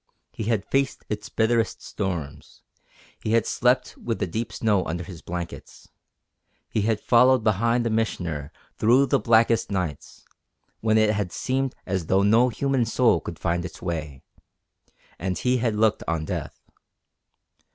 He had faced its bitterest storms; he had slept with the deep snow under his blankets; he had followed behind the Missioner through the blackest nights, when it had seemed as though no human soul could find its way; and he had looked on death.